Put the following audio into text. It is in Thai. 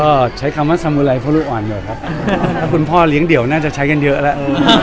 ก็ใช้คำว่าสมุไรเพราะลูกอ่อนอยู่ครับถ้าคุณพ่อเลี้ยงเดี่ยวน่าจะใช้กันเยอะแล้ว